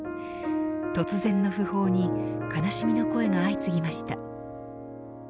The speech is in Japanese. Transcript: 突然の訃報に悲しみの声が相次ぎました。